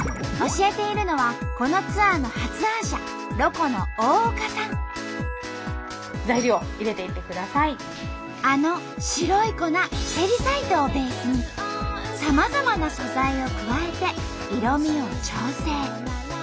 教えているのはこのツアーの発案者ロコのあの白い粉セリサイトをベースにさまざまな素材を加えて色みを調整。